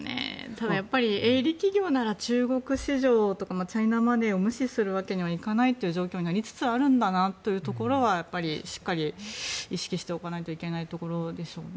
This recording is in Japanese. ただ、営利企業なら中国市場とかチャイナマネーを無視するわけにはいかない状況になりつつあるのかなというのはしっかり意識しておかないといけないところでしょうね。